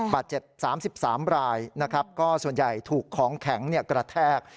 บาดเจ็บ๓๓รายนะครับก็ส่วนใหญ่ถูกของแข็งกระแทก